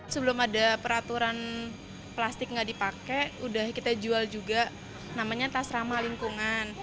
sebelum ada peraturan plastik nggak dipakai udah kita jual juga namanya tas ramah lingkungan